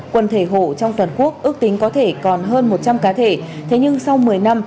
quần thể hộ trong toàn quốc ước tính có thể còn hơn một trăm linh cá thể thế nhưng sau một mươi năm